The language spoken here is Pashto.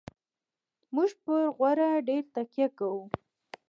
موږ پر غوړ ډېره تکیه کوو.